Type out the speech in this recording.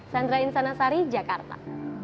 sandra insanasari jakarta